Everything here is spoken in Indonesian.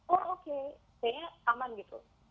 oh oke kayaknya aman gitu